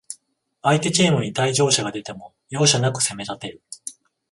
相手チームに退場者が出ても、容赦なく攻めたてる